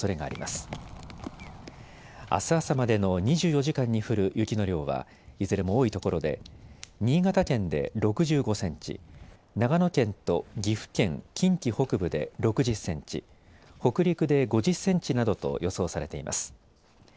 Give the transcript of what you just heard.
あす朝までの２４時間に降る雪の量は、いずれも多いところで新潟県で６５センチ、長野県と岐阜県、近畿北部で６０センチ、北陸で５０センチなどと予想されています。